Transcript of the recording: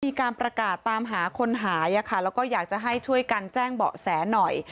มีการประกาศตามหาคนหายแล้วก็อยากจะให้ช่วยกันแจ้งเบาะแสหน่อย